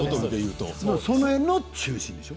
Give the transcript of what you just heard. それの中心でしょ？